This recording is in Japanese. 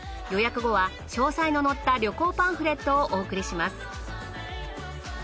予約後は詳細の載った旅行パンフレットをお送りします。